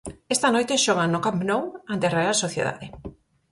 Esta noite xogan no Camp Nou ante a Real Sociedade.